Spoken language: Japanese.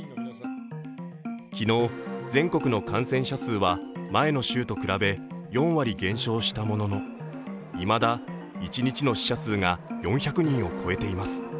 昨日、全国の感染者数は前の週と比べ４割減少したもののいまだ一日の死者数が４００人を超えています。